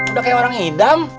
udah kayak orang hidam